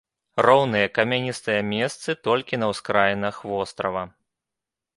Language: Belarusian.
Роўныя камяністыя месцы толькі на ўскраінах вострава.